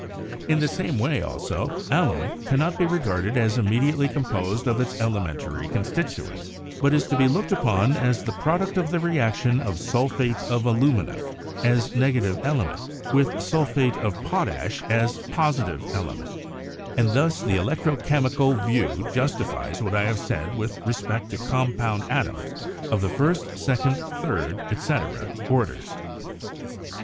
In the same way, also, alum cannot be regarded as immediately composed of its elementary constituents, but is to be looked upon as the product of the reaction of sulphate of alumina, as negative element, with sulphate of potash, as positive element; and thus the electro chemical view justifies what I have said with respect to compound atoms of the first, second, third, etc., orders."